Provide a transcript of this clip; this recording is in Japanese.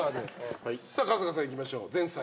さあ春日さんいきましょう前菜。